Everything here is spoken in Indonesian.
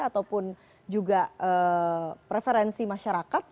apakah ini akan berdampak terhadap pelaksanaan pilkada